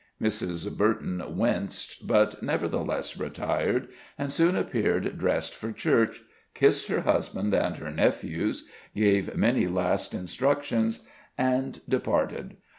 Mrs. Burton winced, but nevertheless retired, and soon appeared dressed for church, kissed her husband and her nephews, gave many last instructions, and departed.